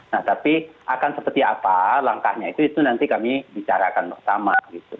nah tapi akan seperti apa langkahnya itu itu nanti kami bicarakan bersama gitu